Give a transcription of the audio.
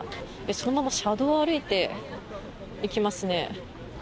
そのまま車道を歩いていきますね。